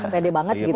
pede banget gitu